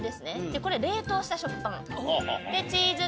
これ冷凍した食パン。